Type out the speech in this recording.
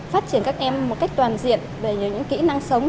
phát triển các em một cách toàn diện về nhiều những kỹ năng sống